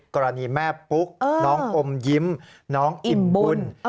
กรณีแม่ปุ๊กน้องอมยิ้มน้องอิ่มบุญ